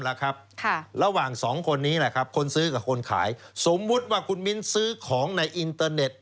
ระหว่าง๒คนนี้คนซื้อกับคนขายสมมุติว่าคุณมิ้นซื้อของในอินเตอร์เน็ต